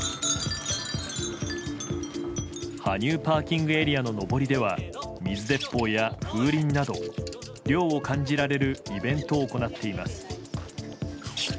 羽生ＰＡの上りでは水鉄砲や風鈴など涼を感じられるイベントを行っています。